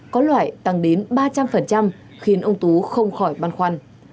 có loại tăng đến ba trăm linh khiến ông tú không khỏi băn khoăn